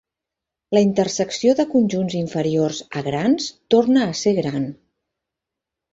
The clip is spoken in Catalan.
La intersecció de conjunts inferiors a grans torna a ser gran.